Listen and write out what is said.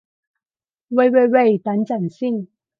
喂喂喂，等陣先